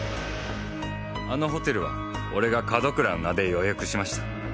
あのホテルは俺が門倉の名で予約しました。